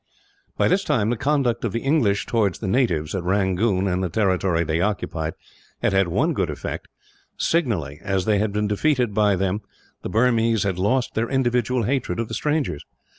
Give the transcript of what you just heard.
By this time, the conduct of the English towards the natives, at Rangoon and the territory they occupied, had had one good effect. Signally as they had been defeated by them, the Burmese had lost their individual hatred of the strangers.